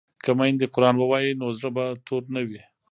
که میندې قران ووايي نو زړه به تور نه وي.